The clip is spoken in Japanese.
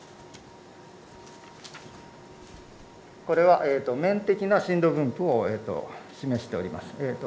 これは面的な震度分布を示しております。